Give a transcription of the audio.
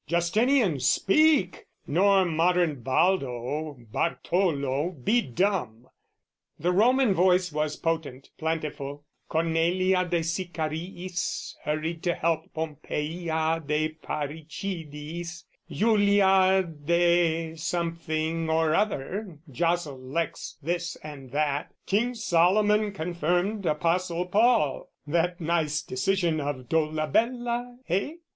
Justinian speak! Nor modern Baldo, Bartolo be dumb! The Roman voice was potent, plentiful; Cornelia de Sicariis hurried to help Pompeia de Parricidiis; Julia de Something or other jostled Lex this and that; King Solomon confirmed Apostle Paul: That nice decision of Dolabella, eh?